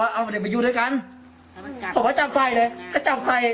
มันจะไม่ใช่แบบนี้มันจะเป็นใส่คล้ายลายน้ำตาลดำอะไร